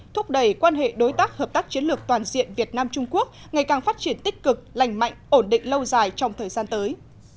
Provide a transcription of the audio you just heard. thúc đẩy quan hệ đối tác hợp tác chiến lược toàn diện việt nam trung quốc ngày càng phát triển tích cực lành mạnh ổn định lâu dài trong thời gian tới